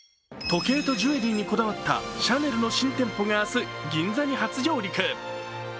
時計とジュエリーにこだわったシャネルの新店舗が明日、銀座に初上陸。